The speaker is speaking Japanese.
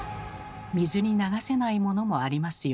水に流せないものもありますよ。